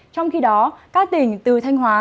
trong khi đó các tỉnh từ thanh hóa